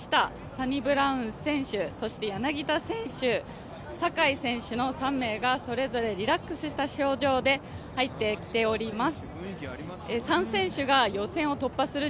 サニブラウン選手、そして柳田選手、坂井選手の３名がそれぞれリラックスした表情で入ってきております。